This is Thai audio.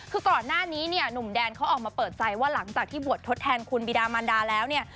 คือก่อนหน้านี้เนี่ยหนุ่มแดนเขาออกมาเปิดใจว่าหลังจากที่บวชทดแทนคุณบิดามันดาแล้วเนี่ย